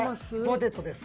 ポテトです。